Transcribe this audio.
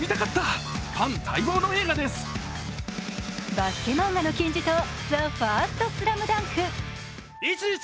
バスケ漫画の金字塔「ＴＨＥＦＩＲＳＴＳＬＡＭＤＡＮＫ」。